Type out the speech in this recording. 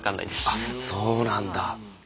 あっそうなんだ。